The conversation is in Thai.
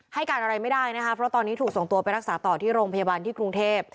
ให้การอะไรไม่ได้นะคะเพราะตอนนี้ถูกส่งตัวไปรักษาต่อที่โรงพยาบาลที่กรุงเทพ